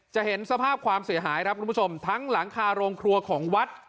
เห็นสภาพความเสียหายครับคุณผู้ชมทั้งหลังคาโรงครัวของวัด